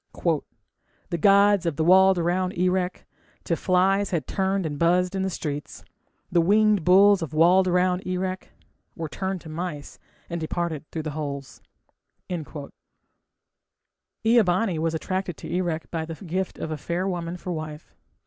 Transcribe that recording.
The gods of walled round Erech To flies had turned and buzzed in the streets; The winged bulls of walled round Erech Were turned to mice and departed through the holes. Ea bani was attracted to Erech by the gift of a fair woman for wife.